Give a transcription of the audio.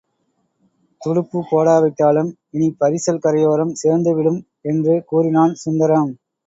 துடுப்புப் போடாவிட்டாலும் இனிப் பரிசல் கரையோரம் சேர்ந்துவிடும் என்று கூறினான் சுந்தரம்.